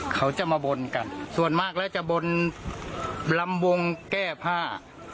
เขาจะมาบนกันส่วนมากแล้วจะบนลำวงแก้ผ้า